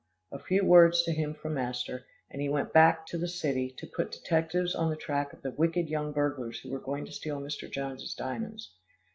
A few words to him from master, and back he went to the city, to put detectives on the track of the wicked young burglars who were going to steal Mr. Jones' diamonds.